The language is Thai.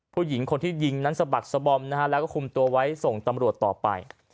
ผู้หญิงคนที่ยิงนั้นสะบักสบอมนะฮะแล้วก็คุมตัวไว้ส่งตำรวจต่อไป